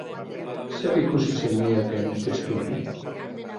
Zer ikusi zenioten testu honi?